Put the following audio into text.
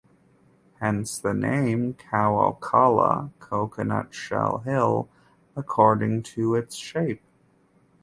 Hence the name "Khao Kala" (coconut shell hill) according to its shape.